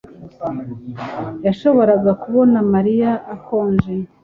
yashoboraga kubona Mariya akonje